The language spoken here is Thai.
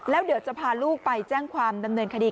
แล้วเดี๋ยวจะพาลูกไปแจ้งความดำเนินคดี